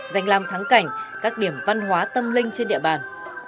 dành làm thắng cảnh các điểm văn hóa tâm linh trên địa bàn